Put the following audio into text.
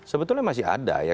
sebetulnya masih ada